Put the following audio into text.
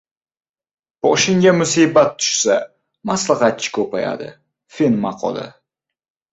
Boshingga musibat tushsa, maslahatchi ko‘payadi. Fin maqoli